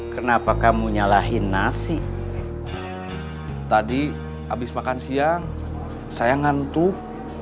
kenapa kamu nyalahin nasi tadi habis makan siang saya ngantuk